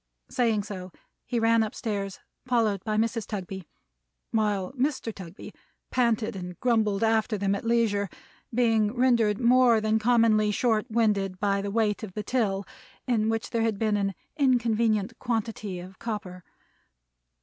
Saying so, he ran up stairs, followed by Mrs. Tugby; while Mr. Tugby panted and grumbled after them at leisure: being rendered more than commonly short winded by the weight of the till, in which there had been an inconvenient quantity of copper.